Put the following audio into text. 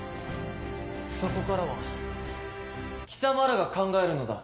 そこからは貴様らが考えるのだ。